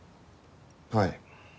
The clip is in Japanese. はい。